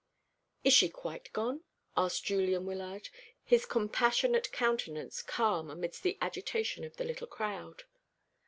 "Is she quite gone?" asked Julian Wyllard, his compassionate countenance calm amidst the agitation of the little crowd.